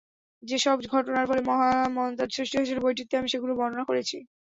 যেসব ঘটনার ফলে মহামন্দার সৃষ্টি হয়েছিল, বইটিতে আমি সেগুলো বর্ণনা করেছি।